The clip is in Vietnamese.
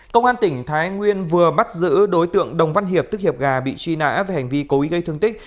công an tỉnh thái nguyên vừa bắt giữ đối tượng đồng văn hiệp tức hiệp gà bị truy nã về hành vi cố ý gây thương tích